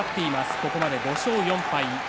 ここまで５勝４敗